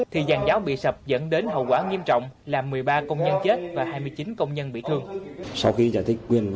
thì giàn giáo bị sập dẫn đến hậu quả nghiêm trọng làm một mươi ba công nhân chết và hai mươi chín công nhân bị thương